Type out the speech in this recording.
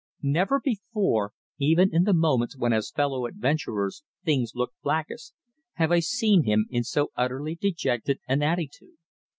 Never before, even in the moments when as fellow adventurers things looked blackest, had I seen him in so utterly dejected an attitude.